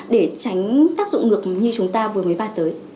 để tránh tác dụng ngược như chúng ta vừa mới ban tới